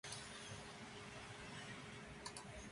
It was Saha's effort, which led to the formation of the Committee.